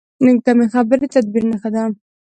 کمې خبرې، د تدبیر نښه ده.